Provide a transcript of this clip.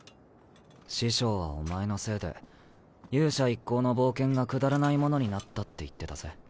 師匠はお前のせいで勇者一行の冒険がくだらないものになったって言ってたぜ。